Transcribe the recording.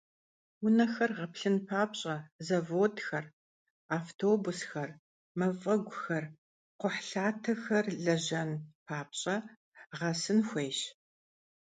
Vunexer yağeplhın papş'e, zavodxer, avtobusxer, maf'eguxer, kxhuhlhatexer lejen papş'e, ğesın xuêyş.